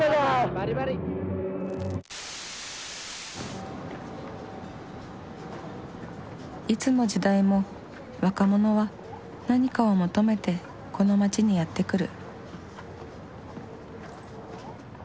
・バリバリいつの時代も若者は何かを求めてこの街にやって来る。